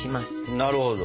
なるほど。